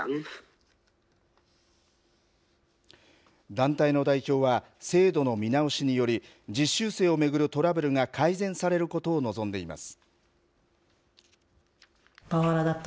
団体の代表は、制度の見直しにより、実習生を巡るトラブルが改善されることを望んでいます。